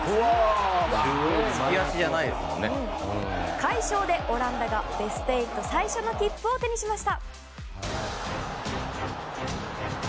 快勝で、オランダがベスト８最初の切符を手にしました。